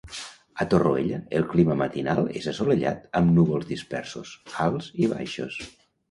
A Torroella, el clima matinal és assolellat amb núvols dispersos, alts i baixos.